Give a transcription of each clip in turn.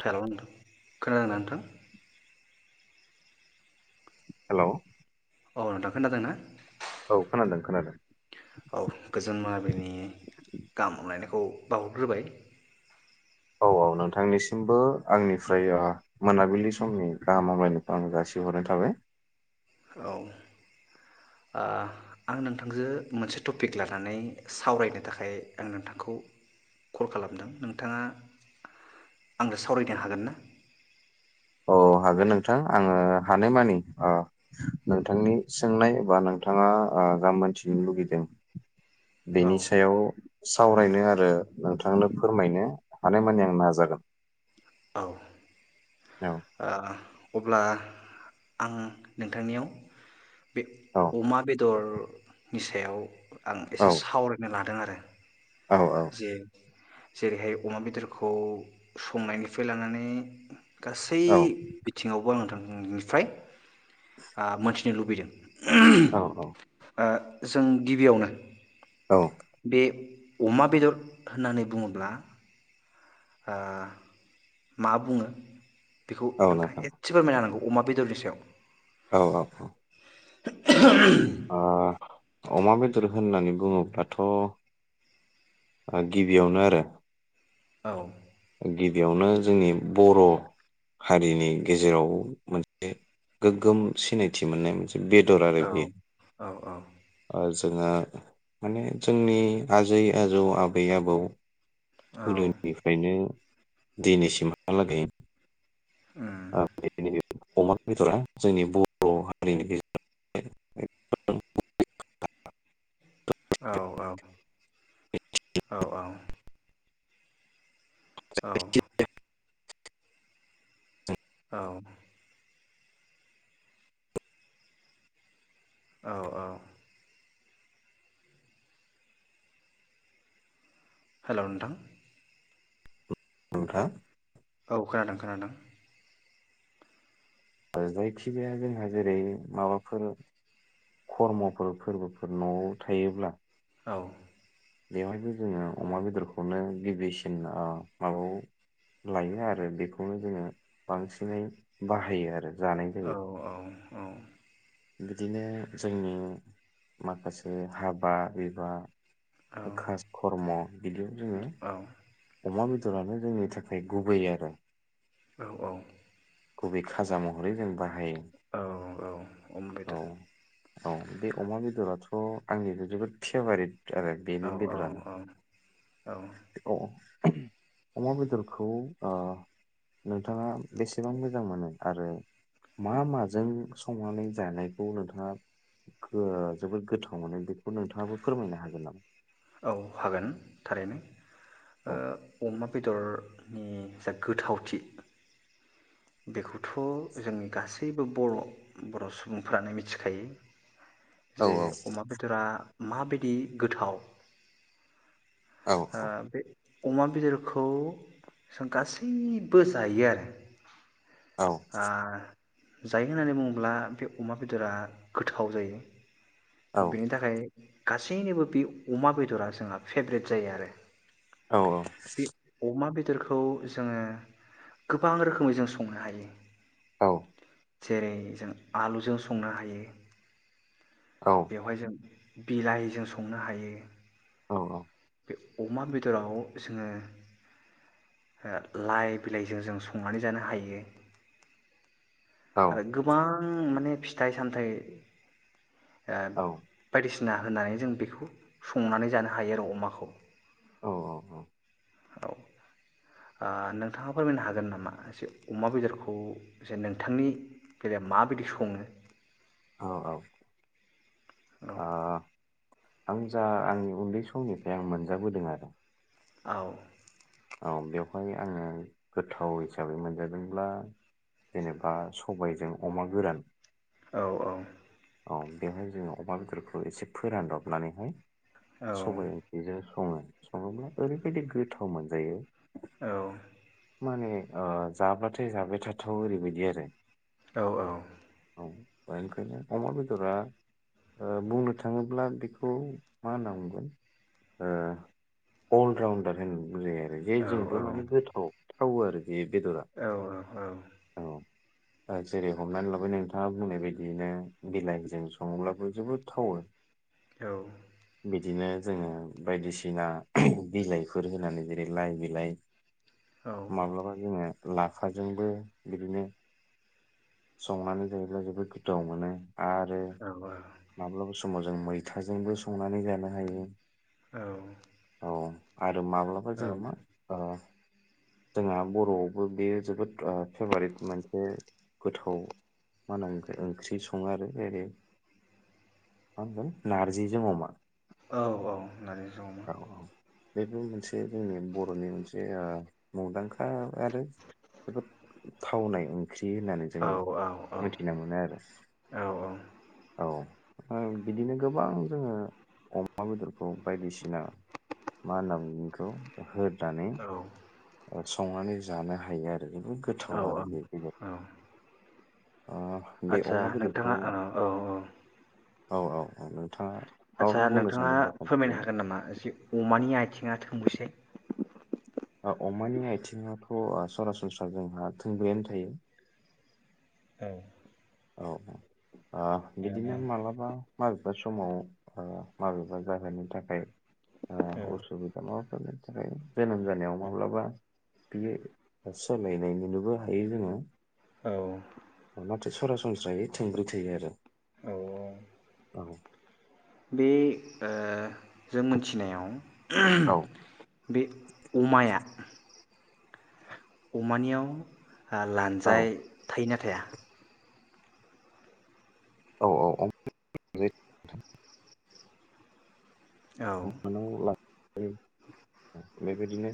हेल' नोंथां खोनादोंना नोंथां हेलौ, औ नोथां खोनादोंना औ खोनादों खोनादों औ गोजोन मोनाबिलिनि गाहाम हामलायनाय खौ बावहरग्रोबाय औ औ नोंथांनिसिमबो आंनिफ्राय आ मोनाबिलि समनि गाहाम हामलायनायखौ आं जासिहरनाय थाबाय औ आ नोंथांजो मोनसे टपिक लानानै सावरायनो थाखाय आं नोंथांखौ कल खालामदों नोंथाङा आंजों सावरायनो हागोन ना? औ हागोन नोंथां आङो हानायमानि ओ नोंथांनि सोंनाय एबा नोंथाङा गाम मोनथिनो लुगैदों। औ बेनि सायाव सावरायनो आरो नोंथांनो फोरमायनो हानायमानि आं नाजागोन औ औ आ अब्ला आं नोंथांनियाव बे अमा बेदर नि सायाव आं औ एसे सावरायनो लानो नुदों आरो औ औ जे जेरैहाय अमा बेदरखौ संनायनि फायलांनानै गासै औ बिथिङावबो आं थां उम ओमफाय आ मोन नो लुबैदों। औ ओ जों गिबियावनो औ बे अमा बेदर होननानै बुङोब्ला ओ मा बुङो? बेखौ औ नोंथां नोंथाङा एसे फोरमायना होनांगौ? अमा बेदरनि सायाव औ औ औ [inaudible] ओ [inaudible] अमा बेदर होननानै बुङोब्लाथ' गिबियावनो आरो औ गिबियावनो जोंनि बर' हारिनि गेजेराव मोनसे गोग्गोम सिनायथि मोननाय मोनसे बेदर आरो औ औ बेयो जोंहा माने जोंनि आजै-आजौ आबै-आबौ औ गोदोनिफ्रायनो दिनैसिमहालागै उम बे अमा बेदरा जोंनि बर' हारिनि गेजेर [unintelligible] औ औ औ औ [unintelligible] औ औ औ हेलौ नोंथां बुं नोंथां। औ खोनादों खोनादों जायखिजाया जोंहा जेरै माबाफोर खर्मफोर फोरबोफोर न'आव थायोब्ला औ बेवहायबो जोङो अमा बेदरखौनो गिबिसिन माबायाव लायो आरो बेखौनो जोङो बांसिनै बाहायो आरो जानाय औ जायो। औ औ बिदिनो जोंनि माखासे हाबा बिबा औ खास खर्म बिदियाव जोङो अमा बेदरानो जोंनि थाखाय गुबै आरो औ औ गुबै खाजा महरै जों बाहायो। औ औ अमा औ बेदर औ बे अमा बेदराथ' आंनि जोबोद फेभारेट आरो औ बेनो औ बेदरानो। औ औ अ अमा बेदरखौ ओ नोंथाङा बेसेबां मोजां मोनो आरो मा माजों संनानै जानायखौ नोंथाङा जोबोद ओ गोथाव मोनो बेखौ नोंथाङाबो फोरमायनो हागोन नामा? औ हागोन थारैनो। औ ओ अमा बेदर नि जा गोथावथि बेखौथ' जोंनि गासैबो बर' बर' सुबुंफ्रानो मिथिखायो औ जे अमा बेदरआ माबायदि गोथाव औ ओ बे अमा बेदरखौ जों गासैबो जायो आरो औ ओ जायो होनानै बुङोब्ला बे अमा बेदरा गोथाव जायो। औ थ' बेनि थाखाय गासैनोबो बे अमा बेदरा जोंहा फेब्रेट जायो आरो। औ औ दोरखौ जोङो गोबां रोखोमै जों संनो हायो। औ जेरै जों आलुजों संनो हायो। औ बेवहाय जों बिलाइजों संनो हायो। औ औ बे अमा बेदराव जोङो ओ लाइ बिलाइजों जों संनानै जानो हायो। आरो गोबां माने फिथाइ सामथाइ ओ औ बायदिसि ना होनानै जों बेखौ संनानै जानो हायो आरो अमाखौ। औ औ औ औ ओ नोंथाङा फोरमायनो हागोन नामा जे अमा बेदरखौ जे नोंथांनि बेलायाव माबायदि सङो? औ औ औ अ आं जा आंनि उन्दै समनिफ्राय आं मोनजाबोदों आरो औ औ बेवहाय आङो गोथाव हिसाबै मोनजादोंब्ला जेनेबा सबायजों अमा गोरान। औ औ औ बेवहाय जोङो अमा बेदरखौ एसे फोरानब्रबनानैहाय औ सबाइ ओंख्रैजो सङो सङोब्ला ओरैबायाददि गोथाव मोन जायो। औ माने जाब्लाथाय जाबाय थाथाव ओरैबायदि आरो। औ औ औ बे ओंखायनो अमर बेदरा बुंनो थाङोब्ला बेखौ मा होनना बुंगोन ओ अल राउनदार होन बुंजा औ औ जेजोंबो माने गोथाव। औ आरो बे बेदरा औ जेरै हमनानै लाबाय नोंथाङा बुंनाय बायदियैनो बिलाइजों सङोब्लाबो जोबोद थावो। बिदिनो जोङो बायदिसिना बिलाइफोर होनानै ज' देग्लाय बिलाय माब्लाबा जोङो लाफाजोंबो बिदिनो संनानै जायोब्ला जोबोद गोथाव मोनो। आरो माब्ला स साम' जों मैथाजोंबो संनानै जानो हायो। औ उम आरो माब्लाबा औ जोङो मा ओ जोंहा बर'आवबो बेयो जोबोद ओ फेभारेट मोनसे गोथाव मा होनोखाय ओंख्रि सङो आरो जै मा होनगोन नारजिजों अमा। औ औ नारजिजों अमा। औ औ बेबो मोनसे जोंनि बर'नि मोनसे ओ मुंदांखा आरो जोबोद थावनाय ओंख्रि होननानै जों औ औ औ मिथिना मोनो आरो औ औ। ओ बिदिनो गोबां जोङो अमा बेदरखौ बायदिसिना मा होनना बुङो बिखौ? ओ होद दाने ओ संनानै जानो हायो आर ओरैबो औ गोथाव आरो बे बेगर आथसा बेदरखौ नोंथाङा औ औ औ औ औ औ नोंथाङा आदसा माबाफोर बुंनो नोंथाङा सानदोंबा फोरमायनो खोन्थालाय हागोन नामा जि अमानि आथिङा थों थंबैसे ओ अमानि आथिङावथ' ओ सरासनस्रा जोंहा थोंब्रैयानो थायो। औ औ औ ओ बिदिनो मालाबा माबि बे समाव ओ माबेबा जाहोननि थाखाय ओ औ औ असुबिदा माबाफोर जायो। जोनोम जानायाव औ माब्लाबा बियो सोलायनाय नुनोबो हायो जोङो। औ नाथाय सरासनस्रायै थोंब्रै थायो आरो। औ औ औ बे ओ जों मिथिनायाव औ बे अमाया अमानियाव ओ औ लानजाय थायोना थाया औ औ औ [unintelligible] औ थांनानै लांफायो। बेबायदिनो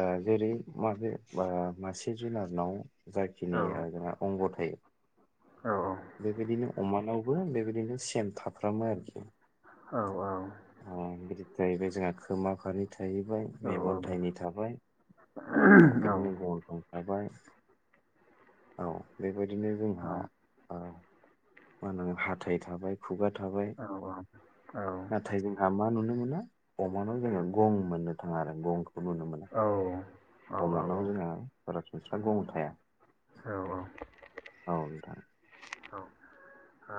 ओ जेरै माबेबा मासे जुनारनाव औ जाखिनि ओ जोंहा अंग थायो। औ बेबायदिनो अमानाव बो बेबायदिनो सेम था फ्रामो आरोखि औ औ आ जाहैबाय जोंहा खोमा फारनै थायो। बाय मेगन थाइनै थाबाय बिदिनो औ गन्थं थाबाय औ बेबाय दिनो जोंहा मा होननांगोन हाथाय थाबाय खुगा औ थाबाय औ नाथाय जोंहा मा नुनो। मोना अमानाव जोङो। गं मोननो थाङा आरो गं औ औ औ औ जोंहा सरासनस्रा गं थाया। औ नोंथां ओ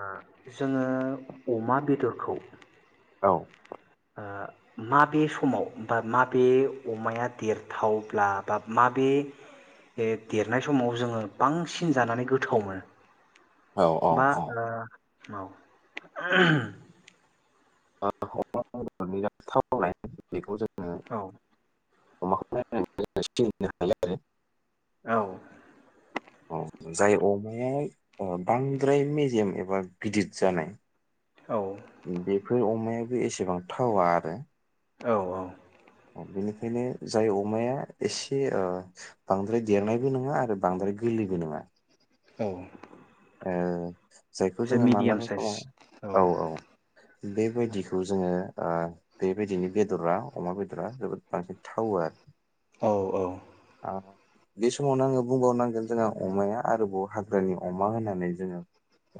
जोङो अमा बेदरखौ औ ओ माबे समाव बा माबे अमाया देरथावब्ला बा माबे देरनाय समाव जोङो बांसिन जानानै गोथाव मोनो? औ औ बा ओ माव [unintelligible] बेखौ जों औ [unintelligible] औ औ जाय अमाया बांद्राय मेजेम एबा गिदिद जानाय औ बेफोर अमाया एसेबां थावा आरो। औ औ। बेनिखायनो जाय अमाया एसे ओ बांद्राय देरनायबो नङा आरो बांद्राय गोरलैबो नङा औ। ओ जायखौ एसे जोङो मिडियाम मालाबा साइज समाव औ औ। बेबायदिखौ जोङो ओ बेबायदिनि बेद'रा अमा बेद'रा जोबोद बांसिन थावो आरो। औ औ। आ बे समावनो आङो बुंबावनांगोन जोंहा अमाया आरोबाव हाग्रानि अमा अमा होननानै जोङो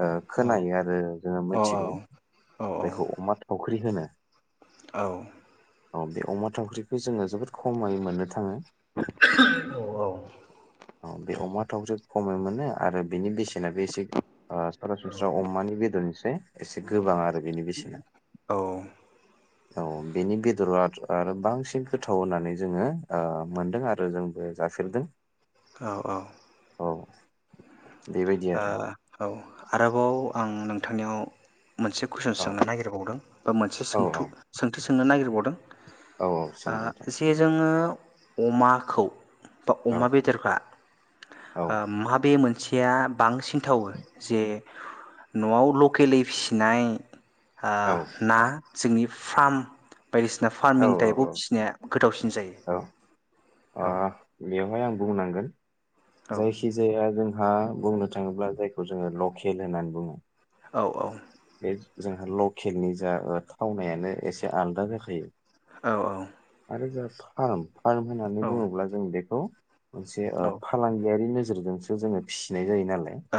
ओ औ खोनायो आरो जोङो औ मोनथिगौ औ बेखौ अमा थाव फख्रि होनो। औ। औ बे अमा थावख्रिखौ जोङो जोबोद खमायै मोननो थाङो। औ बे अमा थावख्रिखौ खमावनो मोनो आरो बिनि बेसे बेनाबो एसे ओ सरासनस्रा अमानि बेदरनिस्रै एसे गोबां आरो बेनि बेसेना। ओ औ बेनि बेद'रआ आरो बांसिन गोथाव होननानै जोङो ओ मोनदों आरो जोंबो जाफेरदों। औ औ। औ। बेबायदि ओ आरो औ आरोबाव आं नों थांनियाव मोनसे कुइसन औ सोंनो नागिरबावदों बा मोनसे औ सोंथु औ सोंथि सोंनो नागिरबावदों औ सों ओ नोंथां जे जोङो अमाखौ बा औ अमा बेदरफा औ आ माबे मोनसे गैया बांसिन थावो जे न'आव लकेलै फिसिनाय ओ औ ना जोंनि फार्म बायदिसिना औ फारमिं टाइपआव औ फिसिनाया गोथावसिन जायो औ। खायनो आं बुंनांगोन- जायखि जाया जों आ बुंनो थाङोब्ला जायखौ जोङो लकेल होननानै बुङो औ औ। बे जोंहा लकेलनि जा ओ थावनायानो एसे आलदा जाखायो। औ औ। [unintelligible] फार्म होननानै औ बुङोब्ला जों बेखौ मोनसे ओ फालांगियारि नो गेजेरजोंसो जोंङो फिसिनाय जायो नालाय औ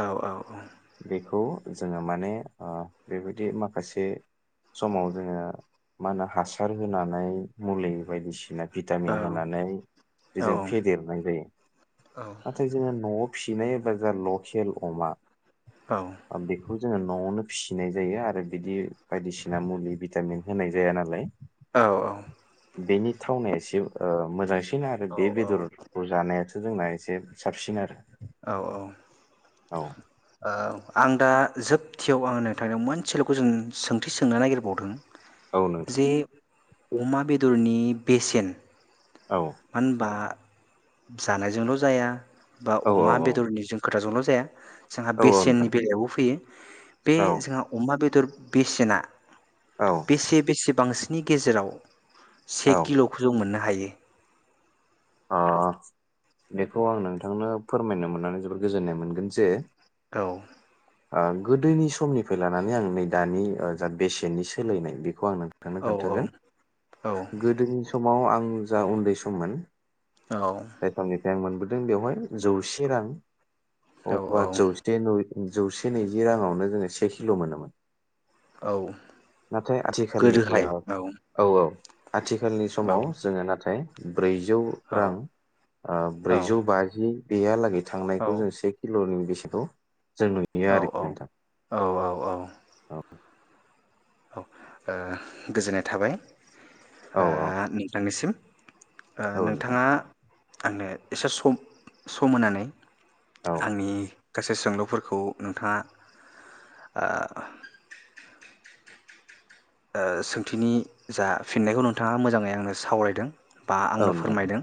बेखौ जोङो माने ओ बेबायदि माखासे समाव जोङो मा होनो हासार होनानै मुलि बायदिसिना भिटामिन होनानै बेजों फेदेरनाय जायो नाथाय जोङो न'आव फिसिनाय बा जा लकेल अमा आं बेखौ जोङो न'आवनो फिसिनाय जायो आरो बिदि बायदिसिना मुलि भिटामिन होनाय जाया नालाय औ औ बेनि थावनाया एसे ओ मोजांसिन फिन आरो बे बेदरखौ जानाया जोंना एसे साबसिन आरो औ औ औ ओ आं दा जोबथियाव आं नोंथांनियाव मोनसेल' कुइसन सोंथि सोंनो नागिरबावदों औ नोंथां जे अमा बेदरनि बेसेन औ मान होनबा जानायजोंल' जाया औ औ अमा बेदरनि जों खोथाजोंल' थे जोंहा औ नोंथां बेसेननि बेलायावबो फैयो। बे औ जोंहा अमा बेदर बेसेना औ बेसे बेसे बांसिन नि गेजेराव से औ किल'खौ जों मोननो हायो। आ बेखौ आं नोंथांनो फोरमायनो मोननानै जोबोद गोजोननाय मोनगोन जे औ ओ गोदोनि समनिफाय लानानै आं नै दानि जा बेसेननि सोलायनाय बे आं नोंथांनो औ खोन्थागोन औ गोदोनि सम समाव आं जा उन्दै सममोन औ जाय समनिफ्राय मोनबोदों बेवहाय जौसे रां। औ औ औवा जौसे नुयो। जौसे नैजि राङावनो जोङो से खिल' मोनोमोन। औ नाथाय आथिखाल नियाव औ औ। आथिखालनि औ समाव जोङो नाथाय। ब्रैजौ। औ औ रां ओ औ ब्रैजौ बाजि। बेया लागै। थांनायखौ जों से किल'नि बिज थिखौ जों नुयो औ आरोखि नोंथां औ औ। औ ओ गोजोननाय थाबाय। ओ औ औ नोंथांनिसिम। ओ औ नोंथां नोंथाङा आंनो एसे समप-सम होनानै। औ आंनि गासै सोंलुफोरखौ नोंथाङा ओ ओ सोंथिनि जा फिननायखौ नोंथाङा मोजाङै आंनो सावरायदों। बा औ आंनो नोंथां फोरमायदों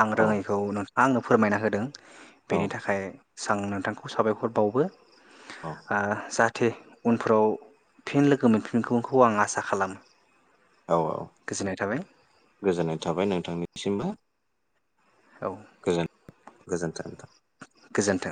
आं औ रोङैखौ नों आंनो फोरमायना होदों। बेनि औ थाखाय सांनोद बिथांखौ साबायखर बावबो। आ जाथ धे उनफोराव फिन लोगो मोनफिनखौ खौ आं आसा खालामो। औ औ गोजोननाय थाबाय गोजोननाय थाबाय नोंथां निसिमबो। औ गोजोन गोजोनथों नोंथां। गोजोन्थों